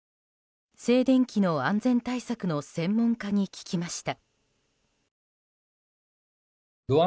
静電気の安全対策の専門家に聞きました。